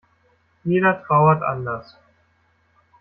Jeder trauert anders.